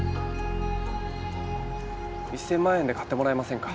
１，０００万円で買ってもらえませんか？